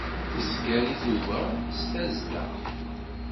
Tezger i tuga s tazzla.